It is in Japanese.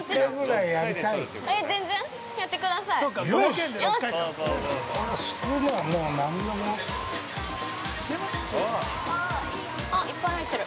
◆いっぱい入ってる。